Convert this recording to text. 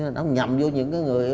nó nhầm vô những cái người